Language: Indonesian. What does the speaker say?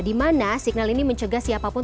dimana signal ini mencegah siapapun